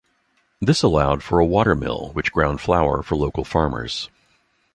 This allowed for a water mill which ground flour for local farmers.